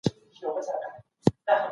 ګاونډیو او سیمهییزو قدرتونو هڅه دا ده چې د